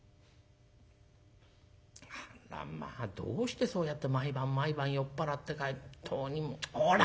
あらまあどうしてそうやって毎晩毎晩酔っ払って帰って本当にもうこら！